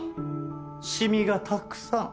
染みがたくさん。